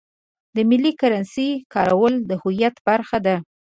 د ملي کرنسۍ کارول د هویت برخه ده.